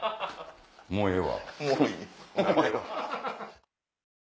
もうええわ。